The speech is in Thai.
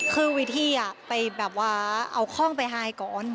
คือวิธีไปแบบว่าเอาข้องไปไฮก่อน